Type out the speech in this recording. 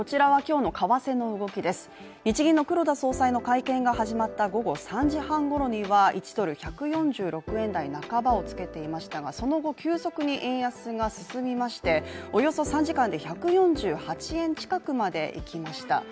日銀の黒田総裁の会見が始まった午後３時半ごろには、１ドル＝１４６円台半ばをつけていましたが、その後、急速に円安が進みましておよそ３時間で１４８円近くまでいきました。